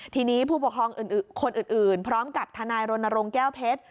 ทีนี้ผู้ปกครองอื่นพร้อมกับทนายรณรงค์แก้วเพชร